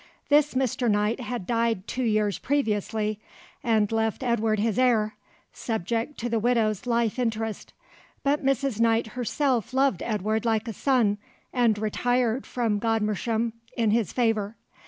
This Mr. Knight had died two years previously, and left Edward his heir, subject to the widow's life interest, but Mrs. Knight herself loved Edward like a son and retired from Godmersham in his favour.